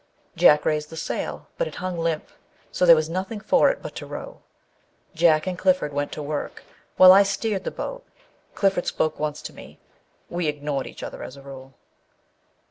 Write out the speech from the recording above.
Jack raised the sail, but it hung limp, so there was nothing for it but to row. Jack and Clifford went to work, while I steered the boat. Clifford spoke once to me : we ignored each other, as a rule.